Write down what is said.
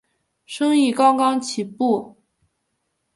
生意刚刚起步